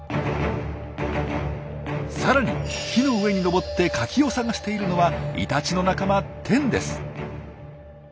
さらに木の上に登ってカキを探しているのはイタチの仲間テンです。